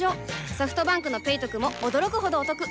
ソフトバンクの「ペイトク」も驚くほどおトク